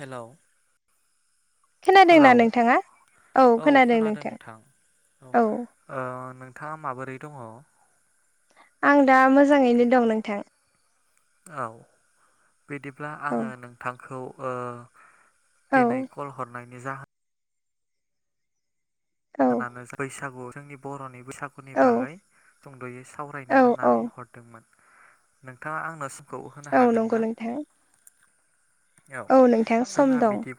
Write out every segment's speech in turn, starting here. हेल' खोनादोंना नोंथाङा? औ खोनादों नोंथां औ ओ नों थाङा माबोरै दङ? आं दा मोजाङैनो दं नोंथां। औ बिदिब्ला औ आङो नोंथांखौ ओ औ दिनै कल हरनायनि जाहोन औ नानो बैसागु जोंनि बर'नि बैसागुनि औ बागै सुंद'यै सावरायनो औ औ होननानै हरदोंमोन। नोंथाङा आंनो समखौ होनो औ हागोन नंगौ ना? नोंथां औ नोंथां सम जोंना दं बिदि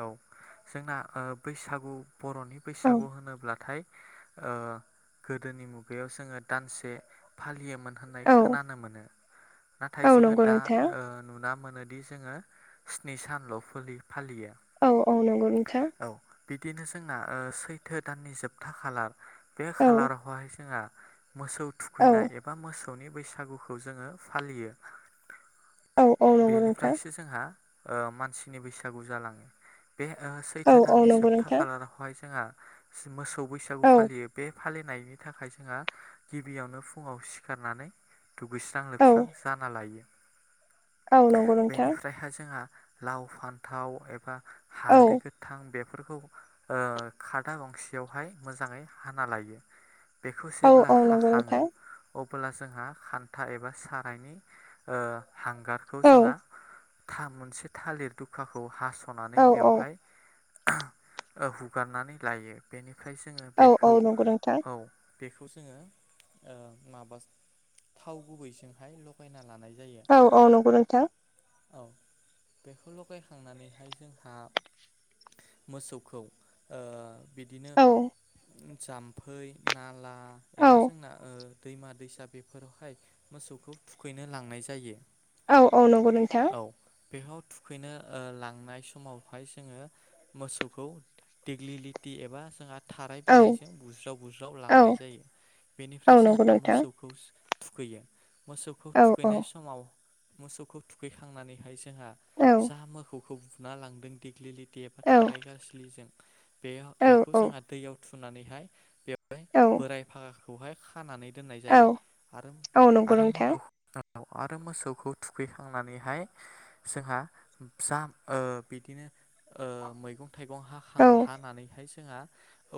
औ जोंना ओ बैसागु बर'नि औ बैसागु होनोब्लाथाय ओ गोदोनि मुगायाव जोङो दानसे फालियोमोन। होननाय औ खोनानो मोनो नाथाय औ जोङो नंगौ दा नोंथां ओ नुना मोनो दि जोङो स्नि सानल' फो फालियो। औ औ नोंगौ नोंथां। औ बिदिनो जोंना सैथो दाननि जोबथा खालार बे औ खालारावहाय जोंहा मोसौ औ थुखैनाय एबा मोसौनि बैसागुखौ जोङो फालियो। औ औ नंगौ नोंथां बेनिफ्रायसो जोंहा ओ मानसिनि बैसागु जालाङो। बे औ सैथो औ दाननि नंगौ जोबथा नोंथां खालारावहाय जोंहा मोसौ बैसागु औ फालियो बे फालिनायनि थाखाय जोंहा गिबियावनो फुङाव सिखारनानै दुगैस्रां औ लोबस्रां जाना लायो। औ नंगौ नोंथां बेनिफ्रायहाय जोंहा लाव फान्थाव एबा औ हालदै गोथां बे बेफोरखौ ओ खादा गंसेयावहाय मोजाङै हाना लायो। बेखौ औ जेब्ला औ नंगौ हाखाङो नोंथां अ अब्ला जोंहा खान्था एबा सारायनि ओ हांगारखौ औ जोंहा था मोनसे थालिर दुखाखौ हास'नानै औ बेवहाय हुगारनानै लायो बेनिफ्राय जोङो औ औ बेखौ नंगौ नोंथां औ बेखौ जोङो ओ माबा थाव गुबैजोंहाय लगायना लानाय जायो औ औ नंगौ नोंथां। औ बेखौ लगायखांनानैहाय जोंहा मोसौखौ ओ बिदिनो औ जाम्फै, नाला औ एबा जोंना दैमा दैसा बेफोरावहाय मोसौखौ थुखैनो लांनाय जायो औ औ नंगौ नोंथां औ बेयाव थुखैनो ओ लांनाय समाव फाय जोङो मोसौखौ देग्लिलिथि एबा जोंहा थाराइ औ बिलाइजों बुज्राव बुज्राव औ लांनाय जायो औ बेनिफ्राय नंगौ जोहा नोंथां मोसौखौ थुखैयो मोसौखौ औ औ थुखैनाय समाव मोसौखौ थुखैखांनानैहाय जों जोंहा औ जा मोखौखौ बुना लांदों देग्लिलिति एबा औ थारायगासलिजों बेयो बेखौ औ जोंहा दैयाव थुनानैहाय बे औ बोराय बाखौहाय खानानै दोननाय औ जायो आरो औ नंगौ आरो नोंथां मोखौ आरो मोसौखौ थुखैखांनानैहाय जोंहा जाम ओ बिदिनो ओ मैगं थाइगं हांखां औ हानानैहाय जों हा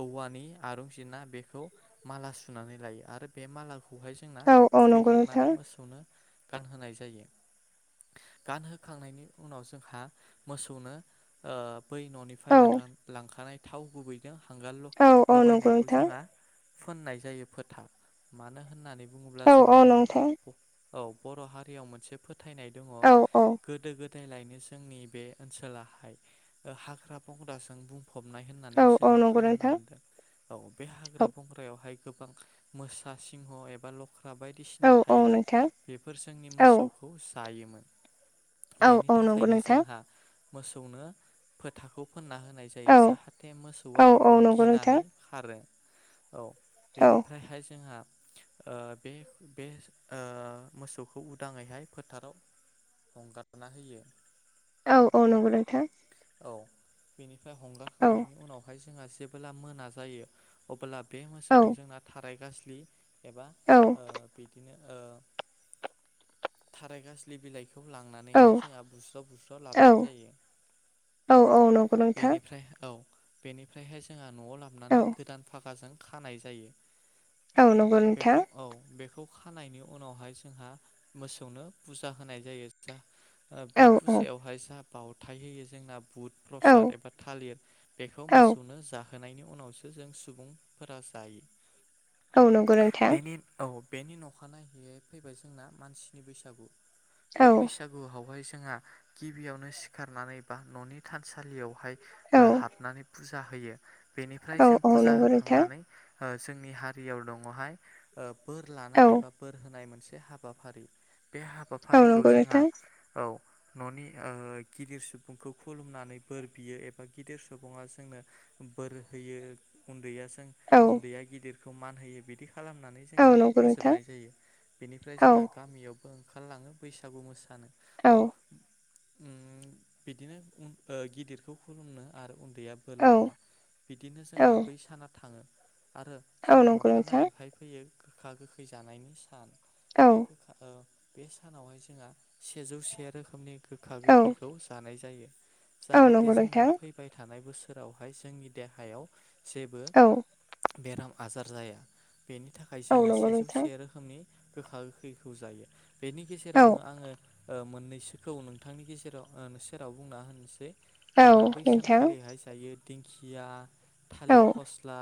औवानि आरं जिरना बेखौ माला सुनानै लायो आरो बे माला खौहाय जोंना औ औ नंगौ नोंथां थुखैखांनानै मोसौनो गानहोनाय जायो गानहोखांनायनि उनाव जोंहा मोसौनो ओ बै न'निफ्राय औ लांलां-लांखानाय थाव गुबै याव हांगार औ औ नंगौ ल-लायनायखौ नोंथां जोंहा फोनाय जायो फोथा मानो होननानै बुङोब्ला औ औ जोंनो नोंथां औ बर' हारियाव मोनसे फोथायनाय दङ' औ औ गोदो गोद दायलायनो जोंनि बे ओनसोलाहाय ओ हाग्रा बंग्राजों बुं फबनाय होननानै औ औ जोङो नंगौ खोनानो नोंथां मोन्दों। औ बे औ हाग्रा बंग्रायावहाय गोबां मोसा सिंह एबा ल ख्रा बायदिसिना औ औ थायोमोन। नोंथां बेफोर जोंनि औ मोसौखौ जायोमोन। औ बेनि औ नंगौ थाखायनो नोंथां जोंहा मोसौनो फोथाखौ फोनना होनाय जायो औ जाहाथे मोसौआ औ बेखौ औ नंगौ गिनानै नोंथां खारो। औ औ बेनिफ्रायहाय जोंहा ओ बे बे ओ मोसौखौ उदाङैहाय फोथाराव हंगारना होयो। औ औ नंगौ नोंथां औ बेनिफ्राय औ हंगारखांनायनि उनावहाय जोंहा जेबोब्ला मोना जायो अबोला बे औ मोसौखौ जोंना थाराय गास्लि एबा औ बिदिनो ओ थाराय गासलि बिलाइखौ खौ औ लांनानैहाय जोंहा बुस्र' बुस्राव लाबोनाय जायो। औ औ नंगौ न नोंथां बेनिफ्राय औ बेनिफ्रायहाय जोंहा न'आव औ लाबोनानै गोदान फाखाजों खानाय जायो। औ नंगौ नोंथां बेखौ औ बेखौ खानायनि उनावहाय जोंहा मोसौनो फुजा होनाय जायो। जा बे औ औ फुजायावहाय जा बावथाय होयो जोंना बुद औ प्रसाद एबा थालिर बेखौ औ मोसौनो जाहो होनायनि उनावसो जों सुबुंफोरा जायो। औ नंगौ नोंथां। बेनि औ बेनि नखानायहैयै फैबाय जोंना मानसिनि बैसागु बे औ बैसागुआवहाय जों जोंहा गिबियावनो सिखारनानै बा न'नि थानसालियावहाय औ ओ हाबनानै फुजा फुजा होयो बेनिफ्राय औ जों औ फुजा नंगौ नोंथां होखांनानै ओ जोंनि हारियाव दङ'हाय बोर लानाय औ एबा बोर होनाय मोनसे हाबाफारि बे औ हाबाफारिखौ नंगौ जोंहा नोंथां औ न'नि ओ गिदिर सुबुं सुबुंखौ खुलुमनानै बोर बियो एबा गिदिर सुबुङा जोंनो बोर होयो। उन्दैया जों औ उन्दैया गिदिरखौ मान होयो बिदि खालामनानै औ जोंना नंगौ नोंथां फोजोबनाय जायो बेनिफ्राय औ जोंहा गामियाव ओंखारलाङो बैसागु मोसानो औ अ उम बिदिनो उ ओ गिदिरखौ खुलुमनो आरो उन्दैया बोर औ लानो बिदिनो औ जोंना बै साना थाङो आरो औ जोंना नंगौ नोंथां नखानायनायैहाय फैयो गोखा गोखै जानायनि सान औ बे गोखा ओ बे सानावहाय जोंहा सेजौ से रोखोमनि गोखा औ गोखैखौ जानाय जायो औ जाहाथे नंगौ जोंना नोंथां फैबाय थानाय बोसोर सोरावहाय जोंनि देहायाव जेबो औ बेराम आजार जाया। बेनि थाखाय औ जोङो नंगौ सेजौ नोंथां से रोखोमनि गोखा गोखैखौ जायो। बेनि औ गेजेरावनो आङो ओ मोननैसोखौ नोंथांनि गेजेराव ओ सेराव बुंना होनोसै। औ जोंना बै नोंथां सानखालिहाय जायो दिंखिया औ थालिर फस्ला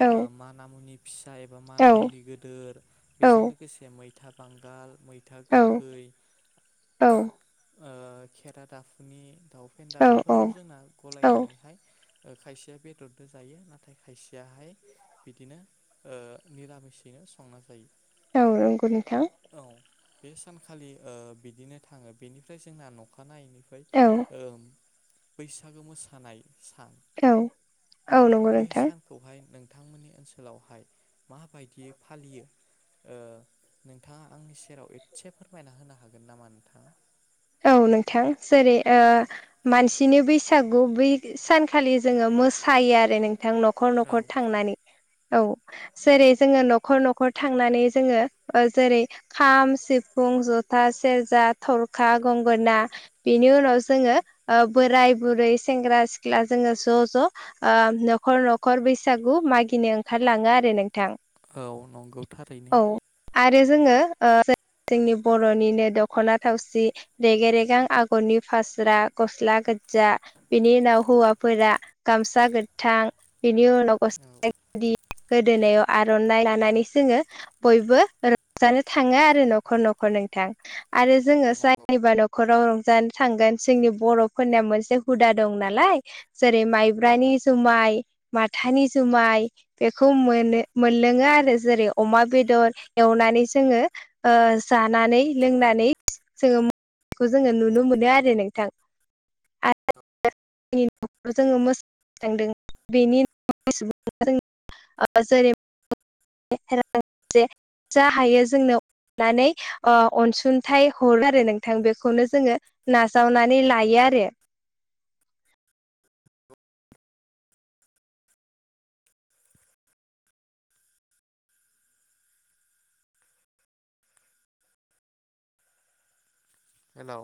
औ ओ माना मुनि फिसा एबा औ मानामुनि गोदोर बेजों लोगोसे मैथा बांगाल मैथा गोखै औ ओ खेरा दाफुनि दाउ फेन्दा बेफोरखौ जोंना गलायनानैहाय ओ खायसेया बेदरजों जायो नाथाय खायसेयाहाय बिदिनो ओ निरामिसै संना जायो औ नंगौ नोंथां औ बे सानखालि ओ बिदिनो थाङो बेनिफ्राय जोंना नखानायैनिफ्राय औ ओ बैसागो मोसानाय सान औ औ नंगौ बै नोंथां सानखौहाय नों नोंथांमोननि ओनसोलावहाय माबायदियै फालियो? ओ नोंथाङा आंनि सेराव एसे फोरमायना होनो हागोन नामा नोंथां? औ नोंथां जेरै औ ओ मानसिनि बैसा गु बै सानखालि जोङो मोसायो आरो नोंथां नखर औ नखर थांनानै औ जेरै जोङो नखर नखर थांनानै जोङो ओ जेरै खाम, सिफुं जथा सेरजा थर खा गंगोना बिनि उनाव जोङो ओ बोराय बुरै सेंग्रा सिख्ला जोङो ज' ज' ओ नखर नखर बैसागु मागिनो ओंखारलाङो आरो नों औ नंगौ थारैनो जोङो ओ जोंनि बर'निनो दख'ना थावसि जि रेगे-रेगां आगरनि फास्रा गस्ला गोजजा बिनि उनाव हौवाफोरा गामसा गोथां बेनि उनाव औ गसला गिनदि गोदोनायाव आर'नाइ लानानै जोङो बयबो रंजानो थाङो आरो नखर नखर नखर नोंथां आरो जोङो जायनिबा नखराव रंजानो थांगोन जोंनि बर'फोरनिया मोनसे हुदा दं नालाय जेरै माइब्रानि जुमाय माथानि जुमाय बेखौ मोनो मोनलोङो आरो जेरै अमा बेदर एवनानै जोङो ओ जानानै लोंनानै जोङो मो ओ जोङो नुनो मोनो आरो नोंथां आरो [unintelligible] ओ जेरै [unintelligible] जा हायो जोंनो अननानै ओ अनसुंथाइ हरो आरो नोंथां बेखौनो जोङो नाजावनानै लायो आरो हेलौ